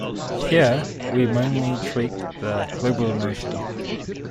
Here, we mainly treat the global notion.